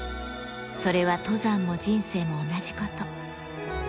それは登山も人生も同じこと。